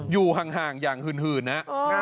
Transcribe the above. อยู่ห่างอย่างหื่นนะ